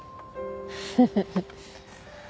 フフフフッ。